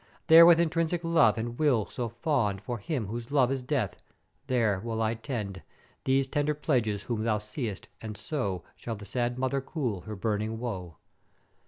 There with intrinsic love and will so fond for him whose love is death, there will I tend these tender pledges whom thou see'st; and so shall the sad mother cool her burning woe.'